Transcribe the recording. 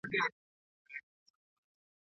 فني معلومات تر عادي پوهې ډېر ارزښت لري.